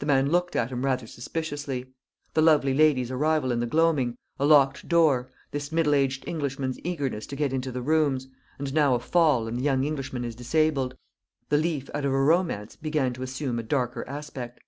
The man looked a him rather suspiciously. The lovely lady's arrival in the gloaming; a locked door; this middle aged Englishman's eagerness to get into the rooms; and now a fall and the young Englishman is disabled. The leaf out of a romance began to assume a darker aspect.